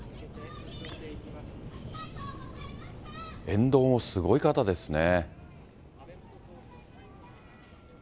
沿道もすごい方ですね。